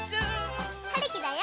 はるきだよ。